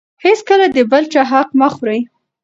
هېڅکله د بل چا حق مه خورئ.